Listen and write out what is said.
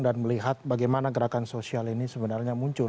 dan melihat bagaimana gerakan sosial ini sebenarnya muncul